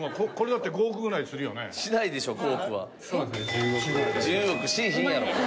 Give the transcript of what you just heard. １０億しいひんやろ！